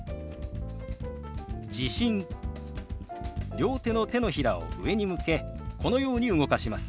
両手の手のひらを上に向けこのように動かします。